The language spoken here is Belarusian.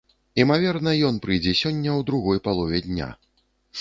Імаверна, ён прыйдзе сёння ў другой палове дня.